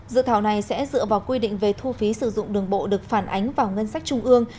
dự thảo này sẽ dựa vào quy định về thu phí sử dụng đường bộ được phản ánh vào ngân sách trung ương